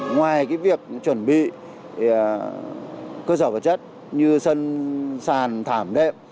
ngoài việc chuẩn bị cơ sở vật chất như sân sàn thảm đệm